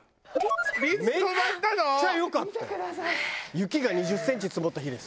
雪が２０センチ積もった日でさ。